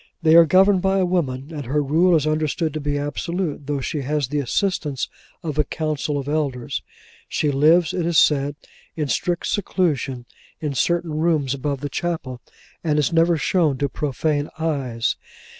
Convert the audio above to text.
They are governed by a woman, and her rule is understood to be absolute, though she has the assistance of a council of elders. She lives, it is said, in strict seclusion, in certain rooms above the chapel, and is never shown to profane eyes.